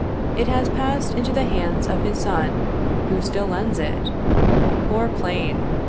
It has passed into the hands of his son, who still lends it. Poor plane!